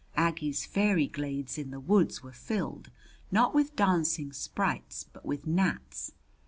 Aggie's fairy glades in the woods were filled, not with dancing sprites, but with gnats.